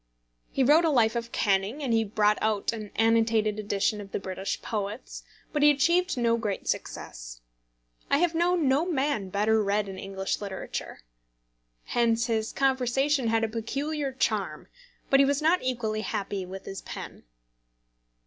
He wrote a life of Canning, and he brought out an annotated edition of the British poets; but he achieved no great success. I have known no man better read in English literature. Hence his conversation had a peculiar charm, but he was not equally happy with his pen.